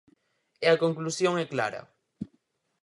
E a conclusión é clara.